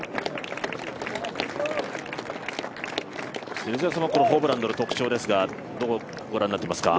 芹澤さんは、このホブランドの特徴ですがどのようにご覧になっていますか？